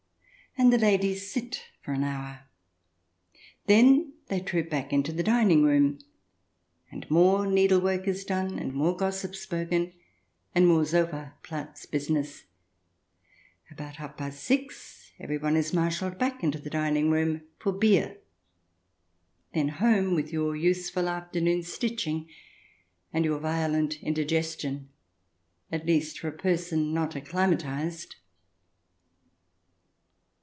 And the ladies sit for an hour. Then they troop back into the dining room, and more needlework is done, and more gossip spoken and more Sofa Platz business. About half past six everyone is marshalled back into the dining room — for beer. Then home with your useful afternoon's stitching and your violent indigestion — at least for a person not acclimatized.